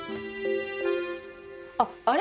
あっあれ？